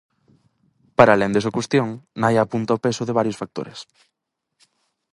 Para alén desa cuestión, Naia apunta o peso de varios factores.